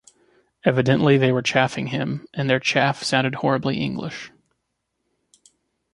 Evidently they were chaffing him, and their chaff sounded horribly English.